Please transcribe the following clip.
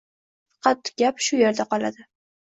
— Faqat, gap shu yerda qoladi.